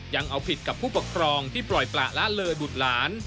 ยังเอาผิดกับผู้ปกครองที่ปล่อยประละเลยบุตรหลาน